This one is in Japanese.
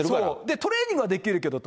トレーニングはできるけどと。